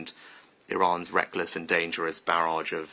tidak akan benar untuk saya mengekalkan sehingga fakta menjadi jelas